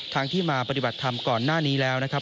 ที่มาปฏิบัติธรรมก่อนหน้านี้แล้วนะครับ